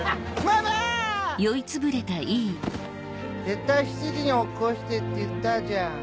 絶対７時に起こしてって言ったじゃん。